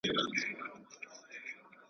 پنځه ووزي او پنځه په ننوزي .